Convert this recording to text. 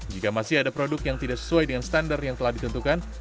jika masih ada produk yang tidak sesuai dengan standar yang telah ditentukan